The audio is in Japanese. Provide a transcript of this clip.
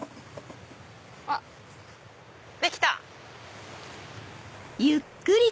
あっできた！